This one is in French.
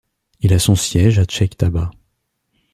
Il a son siège à Cheikh Taba.